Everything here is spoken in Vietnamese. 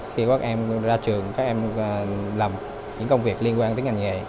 khi các em ra trường các em làm những công việc liên quan tới ngành nghề